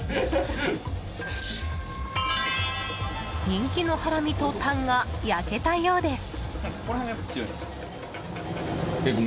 人気のハラミとタンが焼けたようです。